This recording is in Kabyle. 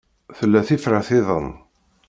Tella tifrat-iḍen.